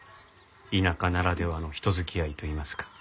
田舎ならではの人付き合いといいますか。